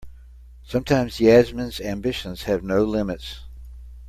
Sometimes Yasmin's ambitions have no limits.